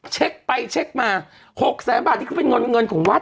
เช็คไปเช็คมา๖แสนบาทที่เขาเป็นเงินของวัด